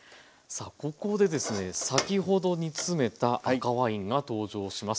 さあここでですね先ほど煮詰めた赤ワインが登場します。